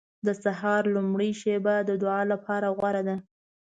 • د سهار لومړۍ شېبه د دعا لپاره غوره ده.